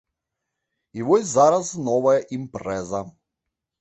І вось зараз новая імпрэза.